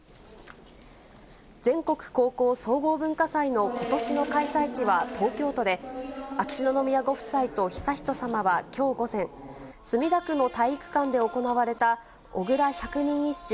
全国高校総合文化祭のことしの開催地は東京都で、秋篠宮ご夫妻と悠仁さまはきょう午前、墨田区の体育館で行われた小倉百人一首